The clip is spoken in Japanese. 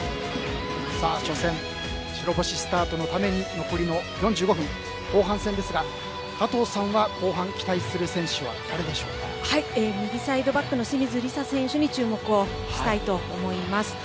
初戦、白星スタートのために残りの４５分後半戦ですが加藤さんは後半、期待する選手は右サイドバックの清水梨紗選手に注目したいと思います。